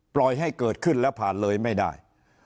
ปล่อยให้เกิดขึ้นแล้วผ่านเลยไม่ได้